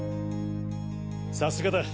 さすがだ。